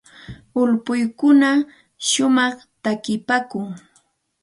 Ulpaykuna shumaqta takipaakun.